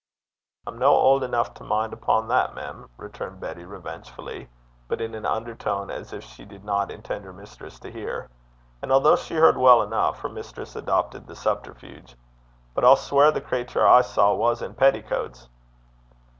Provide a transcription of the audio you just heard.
'I'm no auld eneuch to min' upo' that, mem,' returned Betty revengefully, but in an undertone, as if she did not intend her mistress to hear. And although she heard well enough, her mistress adopted the subterfuge. 'But I'll sweir the crater I saw was in cwytes (petticoats).'